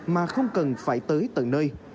mà không cần phải tới tận nơi